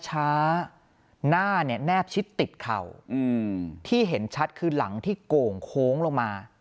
หน้าเนี่ยแนบชิดติดเข่าที่เห็นชัดคือหลังที่โก่งโค้งลงมา